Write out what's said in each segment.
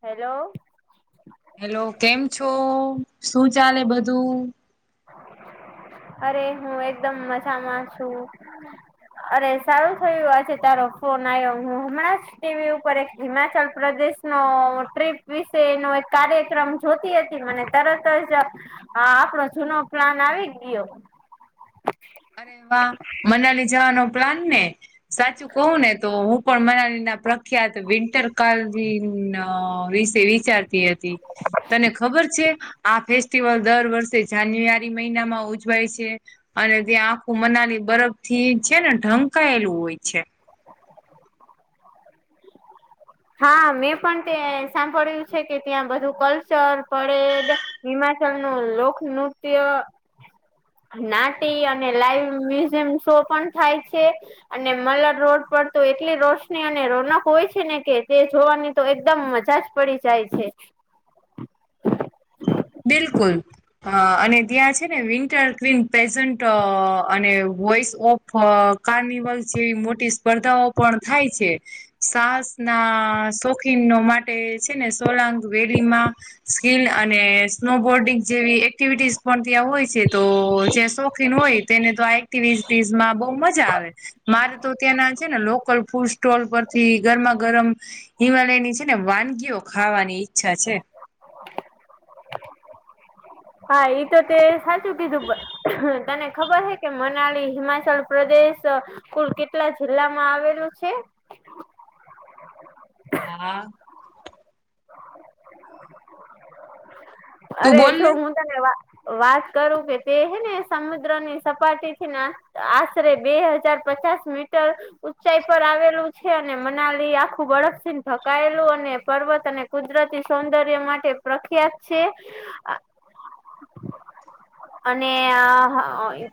Hello, hello કેમ છો શું ચાલે બધું? અરે હું એકદમ મજામાં છું. અરે સારું થયું આજે તારો ફોન આવ્યો હું હમણાં ટીવી ઉપર એક હિમાચલ પ્રદેશ નો ટ્રીપ વિશેનો એક કાર્યક્રમ જોતી હતી મને તરત જ આપણો જૂનો પ્લાન આવી ગયો. અરે વાહ મનાલી જવાનો પ્લાન ને, સાચું કહું ને તો હું હું પણ મનાલી ના પ્રખ્યાત વિન્ટર કાલની વિશે વિચારતી હતી. હતી, તને ખબર છે? આ ફેસ્ટિવલ દર વર્ષે જાન્યુઆરી મહિનામાં ઉજવાય છે, અને જે આંખું મનાલી બરફ થી છે ને ઢંકાયેલું હોય છે. હા મેં પણ તે સાંભળ્યું છે કે ત્યાં બધું કલ્ચર પરેડ. હિમાચલ નું લોકનૃત્ય. નાટી અને લાઈવ મ્યુઝિયમ શો પણ થાય છે. અને મલર રોડ પર તો એટલી રોશની અને રોનક હોય છે ને કે તે જોવાની તો એકદમ મજા જ પડી જાય છે. બિલકુલ. અ અને ત્યાં છે ને વિન્ટર ક્વીન પ્રેઝન્ટ અને વોઇસ ઓફ અ કાર્નિવલ છે એવી મોટી સ્પર્ધાઓ પણ થાય છે. સાહસ ના શોખીન માટે છે ને સોલાંગ વેલીમાં. સ્કીલ અને સ્નો બોર્ડિંગ જેવી એક્ટિવિટીસ પણ ત્યાં હોય છે તો જે શોખીન હોય તેને તો આ વીસીઝ માં બહ મજા આવે. મારે તો ત્યાંના છે ને લોકલ ફૂડ સ્ટોલ પરથી ગરમા ગરમ હિમાલયની છે ને વાનગીઓ ખાવાની ઈચ્છા છે. હા એ તો તે સાચું કીધું તને ખબર હ કે મનાલી હિમાચલ પ્રદેશ કુલ કેટલા જિલ્લા માં આવેલું છે? હા. તું અરે બોલને છો વાત કરું કે તે હે ને સમુદ્રની સપાટી થી ના આશરે બે હજાર પચાસાસ મીટર. ઉઊંચાઈ પર આવેલું છે અને મનાલી આખું બરફથીને ઢકાયેલું અને પર્વત અને કુદરતી સૌંદર્ય માટે પ્રખ્યાત છે. [inaudible] અને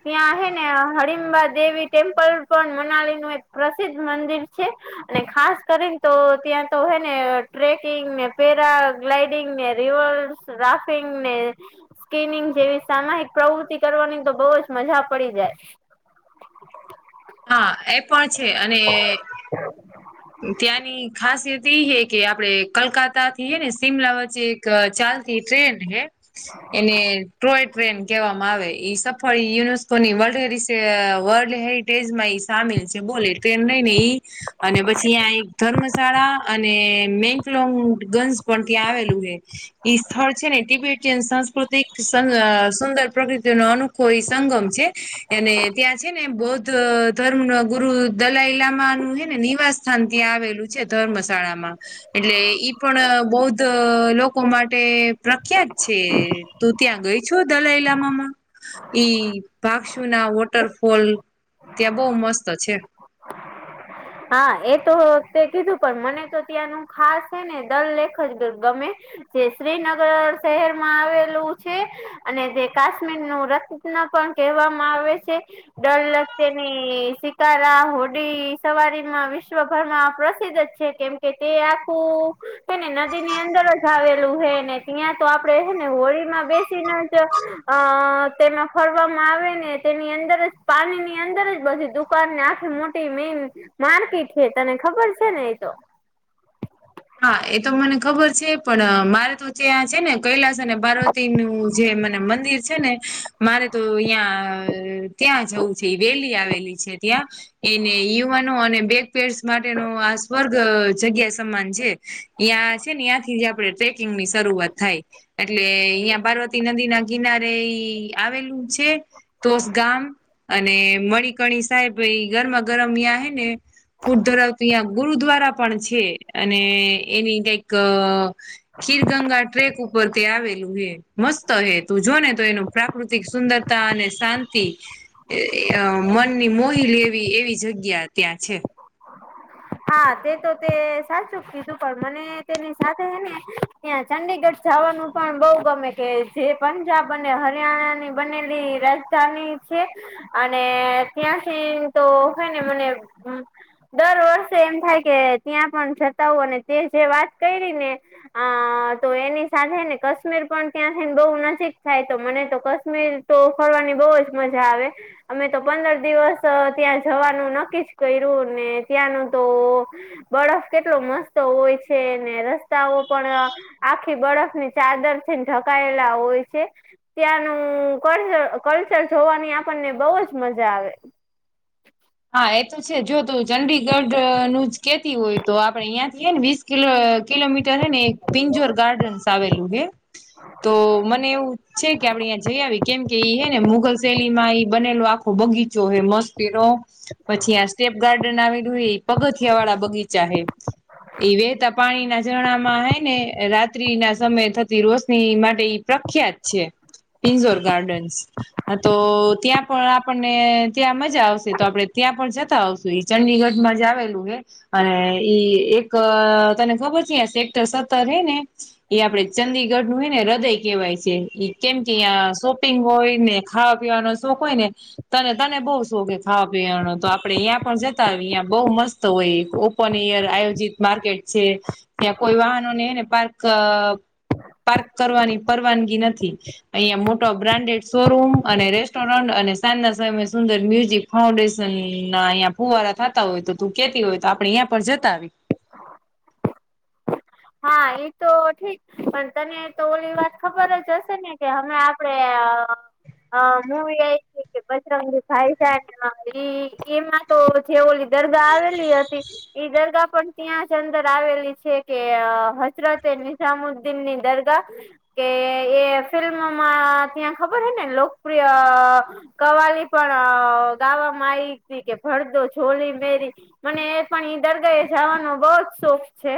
ત્યાં હ ને હરિમબા દેવી ટેમ્પલ પણ મનાલી નું પ્રસિદ્ધ મંદિર છે. અને ખાસ કરીને તો ત્યાં તો હય ને ટ્રેકિંગ ને પેરા ગ્લાઇડિંગ ને રિવર્સ રાફિંગ ને. સ્કીિનિંગ જેવી સામાહિક પ્રવૃતિ કરવાની તો બહુ જ મજા પડી જાય. હા એ પણ છે અને ત્યાંની ખાસિયત એ હ કે આપડે કલકાતા થીએ ને શિમલા વચ્ચે ચાલતી ટ્રેન હે. એને ટ્રોય ટ્રેન કહેવામાં આવે ઈ સફળ યુનેસ્કોની વર્લ્ડ હેર વર્લ્ડ હેર ટેજમાં એ સામેલ છે બોલે એટલે એમ નહી નહી. અને પછી અ્યાં એક ધર્મશાળા અને મેકલોંગ ગંજ પણ ત્યાં આવેલું હ. ઈશ્વર છે એટી બ સાંસ્કૃતિક સુંદર પ્રકૃતિ ન અનોખો એ સંગમ છે. અનેને ત્યાં છે ને એમ બહ જ ધર્મ ન ગુરુ દલાઈ લમા નું હે ને નિવાસસ્થાન ત્યાં આવેલું છે ધર્મશાળામાં. એટલે ઈ પણ બૌદ્ધ લોકો માટે પ્રખ્યાત છે. તું ત્યાં ગઈ છો દલાઈલામાંમાં? ઈ ભક્ષુ ના વોટરફોલ. ત્યાં બહુ મસ્ત છે. હા એ તો વખતે કીધું પણ મને તો ત્યાંનું ખાસ છે ને દલ લેખ જ ગમે. જે શ્રીનગર શહેરમાં આવેલું છે. અને તે કાશ્મીર નું રસતના પણ કહેવામાં આવે છે. ડર લગ તેને શિકારા હોડી સવારીમાં વિશ્વભરમાં પ્રસિદ્ધ છે કેમ કે તે આખું એને નદી ની અંદર જ આવેલું હેને ત્યાં તો આપડે હ ને હોળીમાં બેસીને જ અ તેમાં ફરવામાં આવે ને તેની અંદર જ પાણી ની અંદર જ બધી દુકાન ને આખે મોટ મેન માર્કેટ છે તને ખબર છે ને એતો? હા એ તો મને ખબર છે પણ મારે તોચ્યાં છે ને કૈલાસ અને ભારત નું જે મને મંદિર છે ને, મારે તો અહિયાં ત્યાં જવું છે વેલી આવેલી છે ત્યાં. એને યુવાનો અને બેક પેર્સ માટેનો આ સ્વર્ગ જગ્યા સમાન છે. ્યાં છે ને ત્યાંથી જ આપડણે ટ્રેકિંગ ની શરૂઆત થાય. એટલે અહિયાં પાર્વતી નદી ના કિનારે આવેલું છે. તોસ ગામ અને મણકણી સાહેબાઈ ગરમા ગરમ યાં હ ને. પૂર ધરાવતું અ્યાં ગુરુદ્વારા પણ છે અને એની કઈક ખીર ગંગા ટ્રેક ઉપર તે આવેલું હે મસ્ત હે તું જોને તો એનું પ્રાકૃતિક સુંદરતા અને શાંતિ. અ મનની મોહિલ એવી એવી જગ્યા ત્યાં છે. હા તે તો તે સાચુંક ક હતું પણ મને તેની સાથેને ત્યાં ચંડીગઢ જવાનું પણ બઉ ગમે કે જે પંજાબ અને હરિયાણા ની બનેલી રાજધાની છે. અને ત્યાંથી તો હોય ને મને દર વર્ષ તો એમ થાય કે ત્યાં પણ જતા હો અને તે જે વાત કરી ને. અ તો એની સાથે ને કાશ્મીર પણ ત્યાંથીઈને બહુ નજીક થાય તો મને તો કાશ્મીર તો ફરવાની બહુ જ મજા આવે. અમે તો પંદર દિવસ ત્યાં જવાનું નક્કી જ કર્યું ને ત્યાંનું તો બરફ કેટલો મસ્ત હોય છે ને રસ્તાઓ પણ આખી બળફ ની ચાદર ઈને ઢકાયેલા હોય છે. ત્યાંનું કર કલ્ચર જોવાની આપણને બહ જ મજા આવે. હા એ તો છે જો તું ચંડીગઢ નું જ કેતી હોય તો આપડે અહંથીએ ને વીસ કિલો કિલોમીટર હે ને એક પિંજોર ગાર્ડન્સ આવેલું હે. તો મને એવું છે કે આપડે અ્યાંયા જઈ આવીએ કેમ કે એઈ હે ને મુઘલ શૈલી બનેલો આખો બગીચો હ મસ્તી ન. પછી આ સ્ટેપ ગાર્ડન આવેલું એ પગથિયા વાળા બગીચા હ. એ વહેહતા પાણી ના ઝરણા માં હાય ને રાત્રિ ના સમયે થતી રોશની માટે પ્રખ્યાત છે. પિંજોર ગાર્ડન્સ, તો ત્યાં પણ આપણને ત્યાં મજા આવશે. તો આપડે ત્યાં પણ જતા આવશું એ ચંડીગઢમાં જ આવેલું હે. અને ઈ એક તને ખબર છે સેક્ટર સત્તર હે ને. એ આપડે ચંદીગઢ નું હોય ને હૃદય કહેવાય છે એ કેમ કે અં શોપિંગ હોય ને. ખાવા પીવાનો શોખ હોય ને, તને તને બહુ શોખ હા પણ તો આપડે અહીં પણ જ અં બહુ મસ્ત હોય ઓપન એયર આયોજિત માર્કેટ છે. ત્યાં કોઈ વાહનોનેને પાર્ક પાર્ક કરવાની પરવાનગી નથી. અહિયાંયા મોટા બ્રાન્ડેડ શોરૂમ અને રેસ્ટોરન્ટ અને સાંજના સમય સુંદર મ્યુઝિક. ફાઉન્ડેશન ના અહં ફુવારા થતા હોય તો તું કેતી હોય તો આપડે અયાં પર જતા આવી. હા એતો ઠીક પણ તનેતો ઓલી વાત ખબર જ હશે ને કે હમે આપડે હ મુવી આયવીતી બજરંગી ભાઇજાન [unintelligible] તો જે ઓલી દરગાહ આવેલી હતી, ઈ દરગાહ પણ ત્યાંજ અંદર આવેલી છે. કે હજરતએ નિઝામુદ્દીનની દરગાહ. કેએ ફિલ્મોમાં ત્યાં ખબર હેને લોકપ્રિય કવાલી પણ ગાવામાં આવી હતી કે ભળદો છોલી મેરી. મને એપણ ઈ દરગાહયે જવાનો બવજ શોખ છે.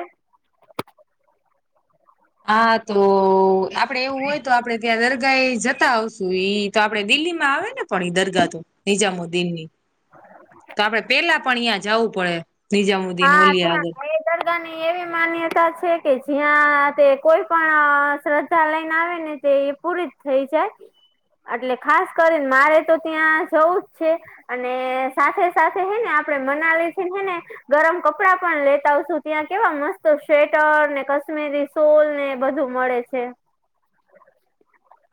હા તો આપડે એવું હોય તો આપડે ત્યાં દરગાએ જતા આવશુ ઈતો આપડે દિલ્હીમાં આવેને પણ ઈ દરગાહ તો? નિજામુદ્દીનની, તો આપડે પેલા પણ ન્યા જવું પડે. નિજામુદ્દીન હા ઓલી આગ. ત્યાં એ દરગાહની એવી માન્યતા છેકે જ્યાં તે કોઈ પણ શ્રદ્ધા લઈને આવેને. તે એ પૂરી જ થઈ જાય, એટલે ખાસ કરીને મારેતો ત્યાં જવું જ છે. અને સાથે સાથે હેને આપડે મનાલીથી હેને. ગરમ કપડા પણ લેતા આવશું ત્યાં કેવા મસ્ત સ્વેટરને કશ્મીરી સોલને બધું મળે છે.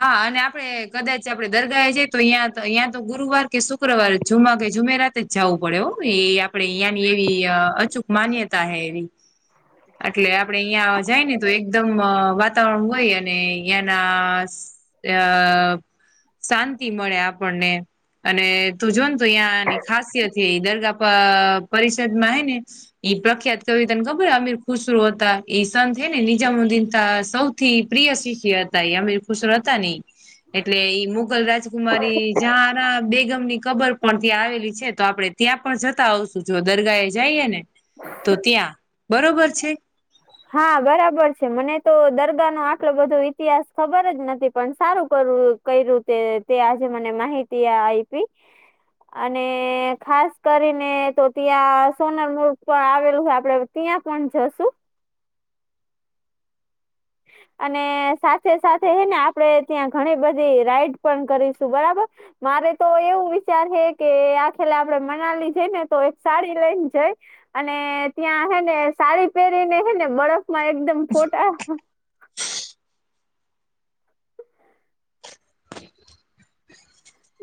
હા અને આપળે કદાચ આપળે દરગાઅએ જઈએ તો ત્યાં તો ત્યાં તો ગુરુવાર કે શુક્રવાર જુમા કે જુમેરાત જ જવું પડે હો આપડે ન્યાની એવી અચૂક માન્યતા હૈ એવી. એટલે આપડે ન્યા જાયને તો એકદમ વાતાવરણ હોય અને ન્યાનાં અ શાંતિ મળે આપણને. અને તું જોનતો ત્યાંની ખાસિયત છે દરગાહ પરિષદમાં છેને. ઈ પ્રખ્યાત કવિ તને ખબર અમીર ખુસરુ હતા એ સંત હેને નિજામુ્દીના સૌ થી પ્રિય શિખિયા હતા અમે ુ હતાને ઈ, એટલે ઈ મુગલ રાજકુમારી જહાનાબેગમની ખબર પણ ત્યાં આવેલી છે તો આપળે ત્યાં પણ જતા આવશું જો દરગાએ જઈએને. તો ત્યાં બરોબર છે. હા બરાબર છે મને તો દરગાહનો આટલો બધો ઈતિહાસ ખબર જ નથી પણ સારું કરવું. કયરુંતે તે આજે મને માહિતી આપી. અને ખાસ કરીનેતો ત્યાં સોનલમુર્ગ પણ આવેલું છે આપળે ત્યાં પણ જશું. અને સાથે સાથે હેને આપડે ત્યાં ઘણી બધી રાઈડ પણ કરીશું બરાબર. મારેતો એવું વિચાર હેકે આ ખેલે આપળે મનાલી જઈને તો એક સાળી લઈને જઈ. અને ત્યાં હેને સાડી પહેરીને હેને બળફમાં એકદમ ફોટા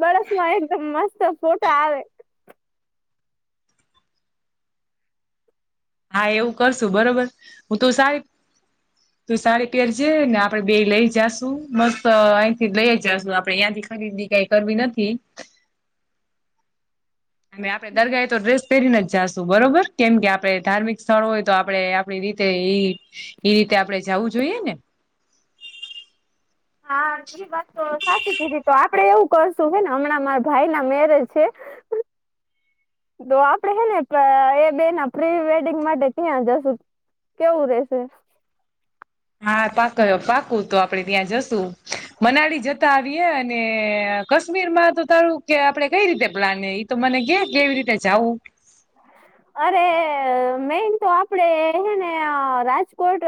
બળફમાં એકદમ મસ્ત ફોટા આવે. હા એવું કરશું બરોબર, હું તો સાડી તું સાડી પેરજેને આપડે બેય લય જાશુ મસ્ત અહીંથી લઈ જશુ આપળે અ્યાંથી ખરીદી કઈ કરવી નથી. અને આપળે દરગાયે તો ડ્રેસ પહેરીને જ જાશું બરોબર. કેમકે આપળે ધાર્મિક સ્થળ હોય તો આપડે આપડી રીતે એ એ રીતે આપડે જવું જોઈએને. હા એ વાત તો સાચી કીધી તો આપળે એવું કરશું હેને હમણાં મારા ભાઈના મેરેજ છે. [inaudible] તો આપળે હેને એ બેયના પ્રીવેડિંગ માટે ત્યાં જશું. કેવું રેશે? હા પાક પાકુંતો આપડે ત્યાં જશું મનાલી જતા આવીયે અને કાશ્મીરમાં તો તારું કે આપડે કઈ રીતે પ્લાન ઈતો મને કે કેવી રીતે જવું અરેઈએ મેનતો આપળડે હેને રાજકોટ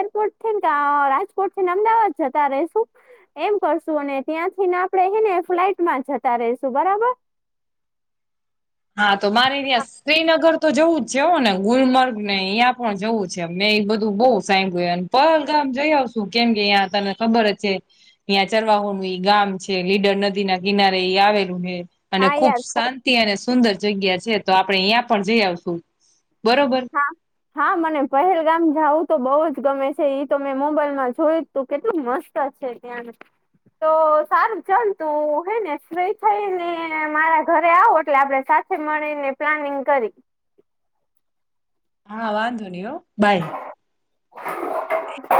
એરપોર્ટથી ન કા રાજકોટ એરપોર્ટથી અમદાવાદ જતા રહેશું એમ કરશું અને ત્યાંથીને આપળડે હેને ફ્લાઈટમાં જતા રહેશું બરાબર હા તો મારે ત્યાં શ્રીનગર. તો જવું જ છે હો ને ગુલમર્ગ ને અહી પણ જવું છે મેં એ બધું બહુ સાં ગ્યું એમ. પલગામ જઈ આવશું. કેમ કે ત્યાં તને ખબર જ છે. ત્યાં ચરવાહોનું ઈ ગામ છે. લીડર નદી ના કિનારે ઈ આવેલું છે. અને હા ખુબ યાર શાંતિ અને સુંદર જગ્યા છે. તો આપડે અહીયા પણ જઈ આવશું બરોબર. [inaudible] હા હા મને પહેલગામ જાવું તો બઉુ જ ગમે છે. ઈ તો મેં મોબાઈલમાં જોયું. તું કેટલું મસ્ત છે ત્યાં. તો સારું ચાલતું હે ને ફ્રી થઈ ને મારા ઘરે આવો એટલે આપડે સાચ. મળી ને પ્લાનિંગ કરી. હા વાંધો નહીં હં બાય. [inaudible]